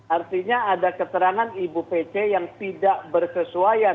artinya ada keterangan ibu pc yang tidak berkesuaian